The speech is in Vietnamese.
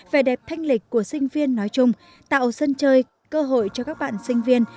về đẹp thanh lịch của sinh viên nói chung tạo sân chơi cơ hội cho các bạn sinh viên